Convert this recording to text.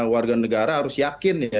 warga negara harus yakin ya